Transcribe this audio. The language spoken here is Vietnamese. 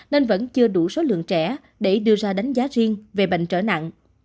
nên vẫn chưa đủ số lượng trẻ để đưa ra đánh giá riêng về bệnh trở nặng